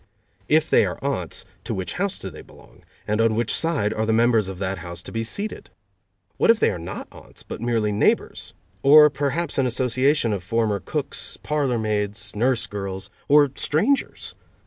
If they are aunts, to which house do they belong, and on which side are the members of that house to be seated? What if they are not aunts, but merely neighbors? Or perhaps an association of former cooks, parlor maids, nurse girls? Or strangers?